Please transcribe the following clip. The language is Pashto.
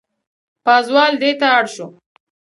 پازوال دېته اړ شو.